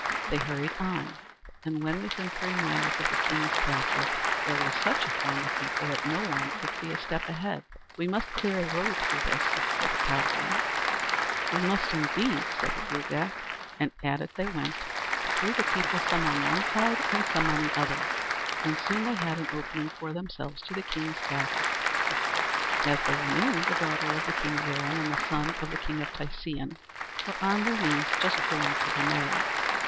They hurried on; and when within three miles of the king's castle there was such a throng of people that no one could see a step ahead. "We must clear a road through this," said the cowboy. "We must indeed," said the Gruagach; and at it they went, threw the people some on one side and some on the other, and soon they had an opening for themselves to the king's castle. As they went in, the daughter of the king of Erin and the son of the king of Tisean were on their knees just going to be married.